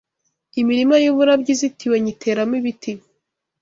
imirima y’uburabyo izitiwe nyiteramo ibiti